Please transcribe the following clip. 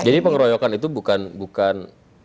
jadi pengeroyokan itu bukan